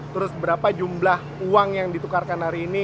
terus berapa jumlah uang yang ditukarkan hari ini